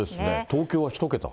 東京は１桁？